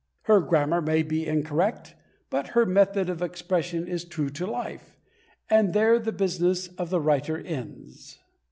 Her grammar may be incorrect, but her method of expression is true to life, and there the business of the writer ends.